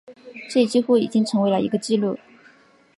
这几乎已经成为了一个记录。